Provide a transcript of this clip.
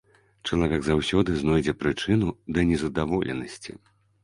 Чалавек заўсёды знойдзе прычыну да незадаволенасці.